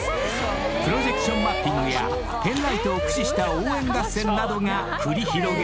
［プロジェクションマッピングやペンライトを駆使した応援合戦などが繰り広げられた］